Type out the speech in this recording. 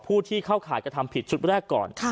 ผู้ที่เข้าข่ายกระทำผิดชุดแรกก่อน